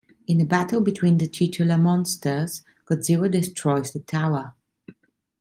In a battle between the titular monsters, Godzilla destroys the tower.